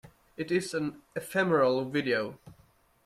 It is an ephemeral video.